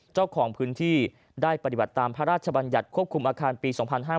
เจ้าของพื้นที่ได้ปฏิบัติตามพระราชบัญญัติควบคุมอาคารปี๒๕๕๙